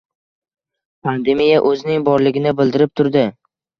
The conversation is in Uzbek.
— Pandemiya oʻzining borligini bildirib turdi